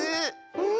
うん。